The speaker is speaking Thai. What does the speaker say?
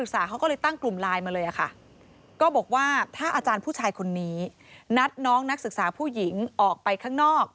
ก็เลยวางแผนกัน